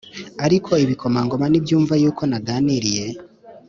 Ariko ibikomangoma nibyumva yuko naganiriye